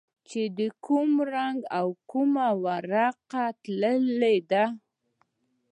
چې د کوم رنگ کومه ورقه تللې ده.